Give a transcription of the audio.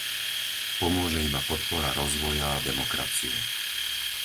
Pomôže iba podpora rozvoja a demokracie.